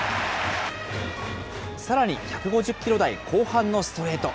さらに１５０キロ台後半のストレート。